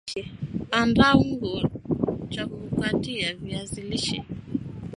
andaa ungo cha kukatia viazi lishe